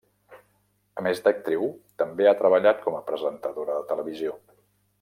A més d'actriu, també ha treballat com a presentadora de televisió.